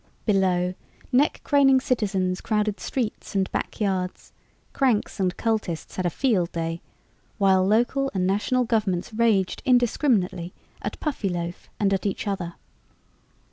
Below, neck craning citizens crowded streets and back yards, cranks and cultists had a field day, while local and national governments raged indiscriminately at Puffyloaf and at each other.